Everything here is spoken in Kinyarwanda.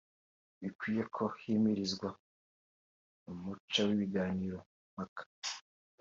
bikwiye ko himirizwa umuco w’ibiganiro mpaka